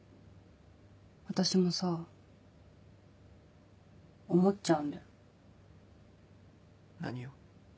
私もさ思っちゃうんだよ何を？